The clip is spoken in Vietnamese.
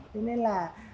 thế nên là